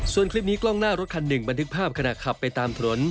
ส่วนคลิปนี้กล้องหน้ารถคันหนึ่งบันทึกภาพขณะขับไปตามถนน